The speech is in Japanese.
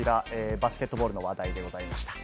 バスケットボールの話題でございました。